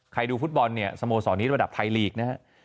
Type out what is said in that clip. ดูฟุตบอลเนี่ยสโมสรนี้ระดับไทยลีกนะฮะ